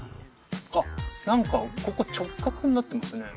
あっ何かここ直角になってますね